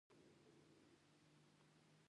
موږ باید پوه شو چې د تولید وسایل د چا په لاس کې دي.